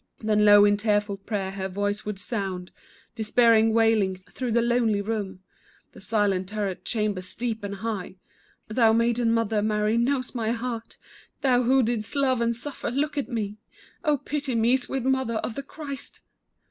Then low in tearful prayer her voice would sound Despairing, wailing, through the lonely room, The silent turret chamber steep and high, "Thou maiden mother, Mary, knows my heart, Thou who didst love and suffer, look on me, Oh, pity me, sweet mother of the Christ!"